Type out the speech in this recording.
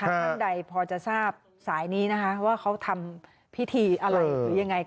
ท่านใดพอจะทราบสายนี้นะคะว่าเขาทำพิธีอะไรหรือยังไง